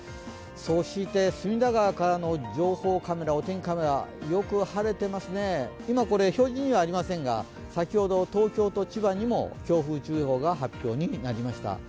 そして隅田川からの情報カメラ、お天気カメラ、よく晴れていますね、今これ表示にはありませんが、先ほど東京と千葉にも強風注意報が発表になりました。